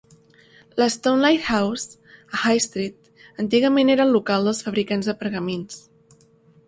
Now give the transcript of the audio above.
La Stoneleigh House, a High Street, antigament era el local dels fabricants de pergamins.